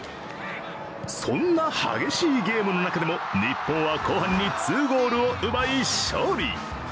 そんな激しいゲームの中でも日本は後半に２ゴールを奪い、勝利。